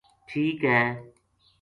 ٹھیک ہے‘‘